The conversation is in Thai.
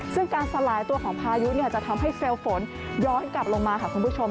ซึ่งการสลายตัวของพายุจะทำให้เซลล์ฝนย้อนกลับลงมาค่ะคุณผู้ชม